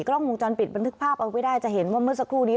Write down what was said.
กล้องวงจรปิดบันทึกภาพเอาไว้ได้จะเห็นว่าเมื่อสักครู่นี้